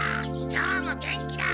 今日も元気だ！